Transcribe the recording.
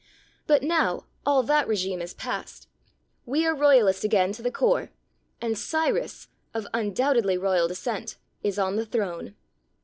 But now all that regime is past. We are royalist again to the core, and Cyrus, of undoubtedly royal descent, is on the throne.